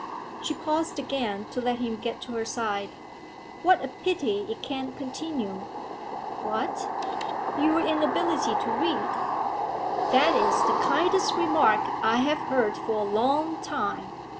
She paused again to let him get to her side. 'What a pity it can't continue!' 'What?' 'Your inability to read.' 'That is the kindest remark I have heard for a long time!'